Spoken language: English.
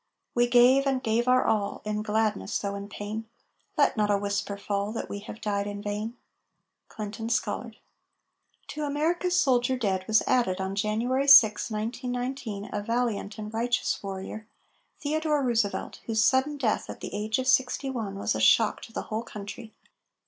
We gave, and gave our all, In gladness, though in pain; Let not a whisper fall That we have died in vain! CLINTON SCOLLARD. To America's soldier dead was added, on January 6, 1919, a valiant and righteous warrior, Theodore Roosevelt, whose sudden death at the age of sixty one was a shock to the whole country.